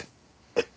えっ。